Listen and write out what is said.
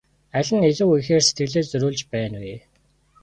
Аль нь илүү ихээр сэтгэлээ зориулж байна вэ?